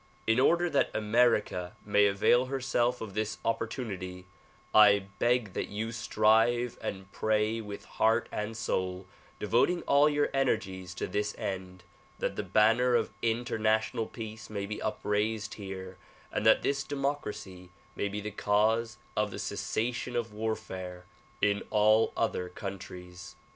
In order that America may avail herself of this opportunity I beg that you strive and pray with heart and soul, devoting all your energies to this end that the banner of international peace may be upraised here and that this democracy may be the cause of the cessation of warfare in all other countries.